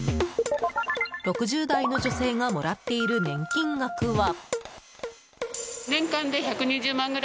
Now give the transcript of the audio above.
６０代の女性がもらっている年金額は。